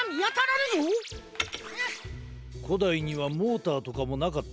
こだいにはモーターとかもなかったからな。